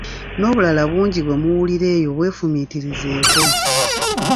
N'obulala bungi bwe muwulira eyo bw'efumiitirizeeko.